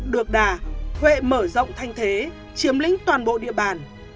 được đà huệ mở rộng thanh thế chiếm lĩnh toàn bộ địa bàn